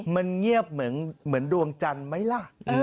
มันเงียบเหมือนดวงจันทร์ไหมล่ะ